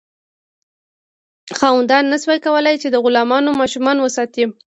خاوندانو نشو کولی چې د غلامانو ماشومان وساتي.